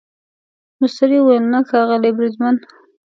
مستري وویل نه ښاغلی بریدمن.